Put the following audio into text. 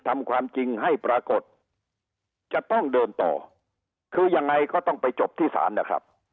ไม่ต้องเดินต่อคือยังไงก็ต้องไปจบที่ศาลนะครับ